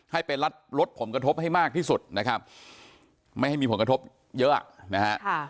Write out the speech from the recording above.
ให้เป็นรถผลกระทบให้มากที่สุดไม่ให้มีผลกระทบเยอะ